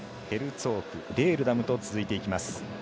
ヘルツォーク、レールダムと続いていきます。